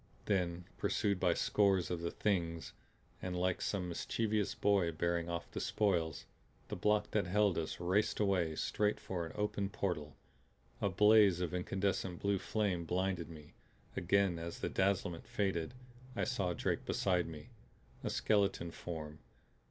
Then pursued by scores of the Things and like some mischievous boy bearing off the spoils, the block that held us raced away, straight for an open portal. A blaze of incandescent blue flame blinded me; again as the dazzlement faded I saw Drake beside me a skeleton form.